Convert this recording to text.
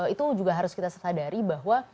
itu juga harus kita sadari bahwa